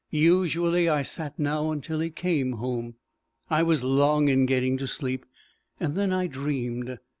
Usually, I sat now until he came home. I was long in getting to sleep, and then I dreamed.